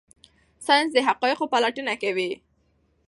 ساینس د حقایقو پلټنه کوي.